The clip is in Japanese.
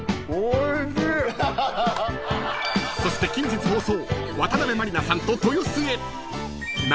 ［そして近日放送］